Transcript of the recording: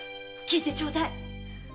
聞いてちょうだい。